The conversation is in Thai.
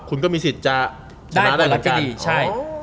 คุณก็มีสิทธิ์จะชนะได้เหมือนกันได้ผลลัพธ์ที่ดีใช่